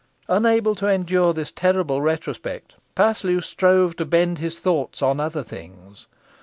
Unable to endure this terrible retrospect, Paslew strove to bend his thoughts on other things.